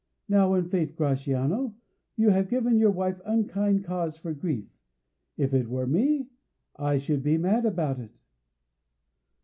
Now, in faith, Gratiano, you have given your wife unkind cause for grief. If it were me, I should be mad about it."